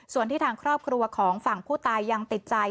ส่วนที่ทางครอบครัวของฝั่งผู้ตายยังติดใจ